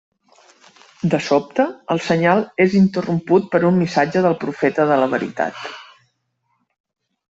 De sobte, el senyal és interromput per un missatge del Profeta de la Veritat.